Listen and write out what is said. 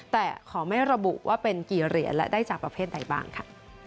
แต่ขอไม่ระบุว่าเป็นกี่เหรียญและได้จากประเภทใดบ้างค่ะ